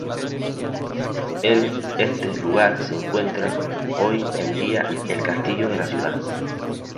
El este lugar se encuentra hoy en día el castillo de la ciudad.